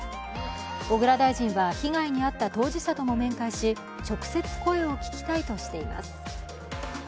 小倉大臣は被害に遭った当事者とも面会し直接声を聞きたいとしています。